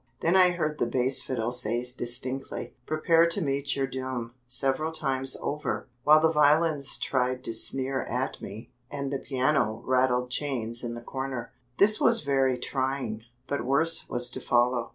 Then I heard the bass fiddle say distinctly, "Prepare to meet your doom" several times over, while the violins tried to sneer at me, and the piano rattled chains in the corner. This was very trying, but worse was to follow.